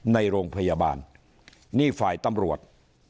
ในโรงพยาบาลนี่ฝ่ายตำรวจ